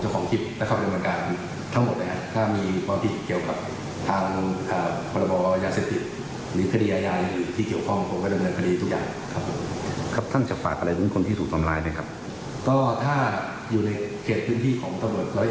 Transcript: ก็ถ้าอยู่ในเกษตรพื้นที่ของตำรวจร้อยเอ็ด